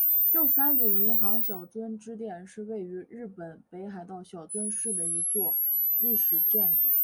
旧三井银行小樽支店是位于日本北海道小樽市的一座历史建筑。